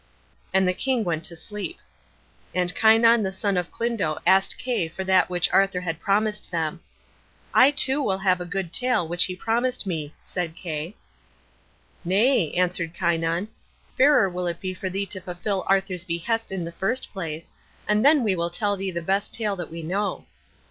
And the king went to sleep. And Kynon the son of Clydno asked Kay for that which Arthur had promised them. "I too will have the good tale which he promised me," said Kay. "Nay," answered Kynon; "fairer will it be for thee to fulfil Arthur's behest in the first place, and then we will tell thee the best tale that we know."